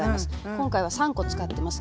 今回は３コ使ってます。